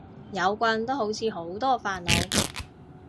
有棍都好似好多煩惱